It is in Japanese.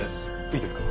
いいですか？